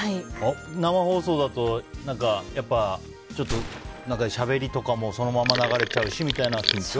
生放送だとやっぱしゃべりとかもそのまま流れちゃうしみたいな緊張？